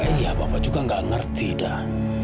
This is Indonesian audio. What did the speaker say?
iya bapak juga gak ngerti dah